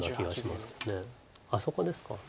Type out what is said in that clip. あっそこですか。